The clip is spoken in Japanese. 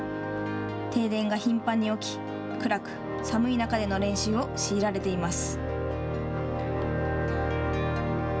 停電が頻繁に起き暗く、寒い中での練習を強いられています。